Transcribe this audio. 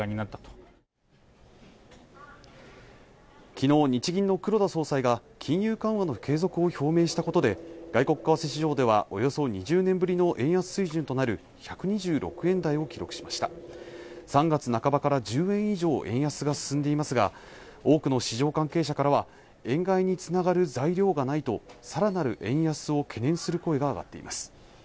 昨日、日銀の黒田総裁が金融緩和の継続を表明したことで外国為替市場ではおよそ２０年ぶりの円安水準となる１２６円台を記録しました３月半ばから１０円以上円安が進んでいますが多くの市場関係者からは円買いにつながる材料がないとさらなる円安を懸念する声が上がっています